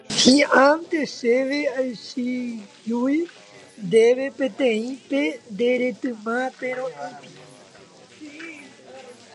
Hi'ãnte chéve aichiguíu ndéve peteĩ pe nde retyma perõipi.